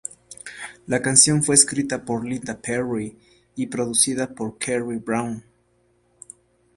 La canción fue escrita por Linda Perry y producida por Kerry Brown.